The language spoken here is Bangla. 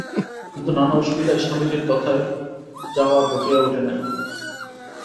কিন্তু নানা অসুবিধায় স্বামীজীর তথায় যাওয়া ঘটিয়া উঠে নাই।